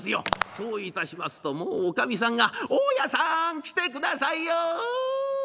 そういたしますともうおかみさんが「大家さん来てくださいよ」。